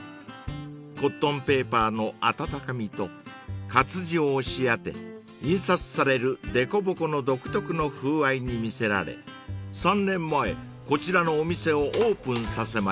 ［コットンペーパーの温かみと活字を押し当て印刷されるでこぼこの独特の風合いに魅せられ３年前こちらのお店をオープンさせました］